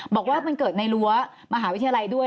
บอกว่ามันเกิดในรั้วมหาวิทยาลัยด้วย